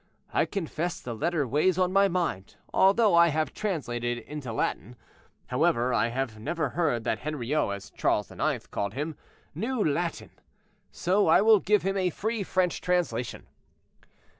I confess the letter weighs on my mind, although I have translated it into Latin. However, I have never heard that Henriot, as Charles IX. called him, knew Latin; so I will give him a free French translation."